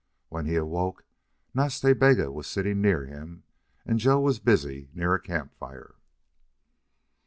When he awoke Nas Ta Bega was sitting near him and Joe was busy near a camp fire.